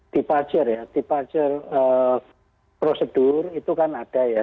diparcer ya diparcer prosedur itu kan ada ya